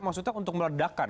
maksudnya untuk meledakan